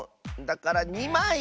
だから２まい！